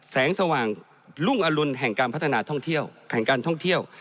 ๘แสงสว่างรุ่งอลุลแห่งการพัฒนาท่องเที่ยว